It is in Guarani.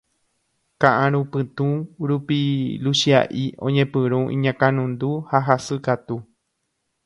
ka'arupytũ rupi Luchia'i oñepyrũ iñakãnundu ha hasykatu.